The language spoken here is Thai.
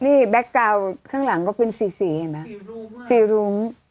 นี่แก๊กกาวน์ข้างหลังก็เป็นสีสีเห็นไหมสีรุ้ง